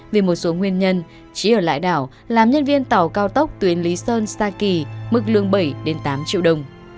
vì một số nguyên nhân trí ở lại đảo làm nhân viên tàu cao tốc tuyến lý sơn sa kỳ mức lương bảy tám triệu đồng